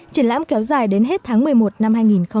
triển lãm kéo dài đến hết tháng một mươi một năm hai nghìn một mươi sáu